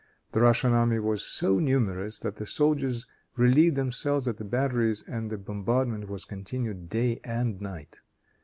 The Russian army was so numerous that the soldiers relieved themselves at the batteries, and the bombardment was continued day and night.